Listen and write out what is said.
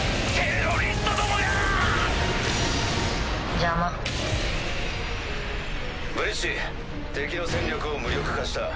ブリッジ敵の戦力を無力化した。